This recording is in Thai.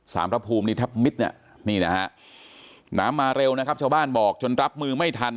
สามรับภูมินิทับมิดนี่นะครับน้ำมาเร็วนะครับเจ้าบ้านบอกจนรับมือไม่ทัน